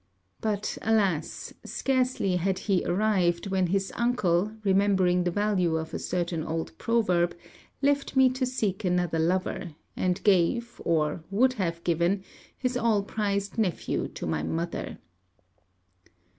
but, alas, scarcely had he arrived, when his uncle, remembering the value of a certain old proverb, left me to seek another lover; and gave or would have given his all prized nephew to my mother.